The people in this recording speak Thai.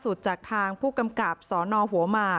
แต่ยอมรับว่าลูกสาวเขาหายตัวไป